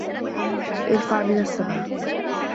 أرفع من السماء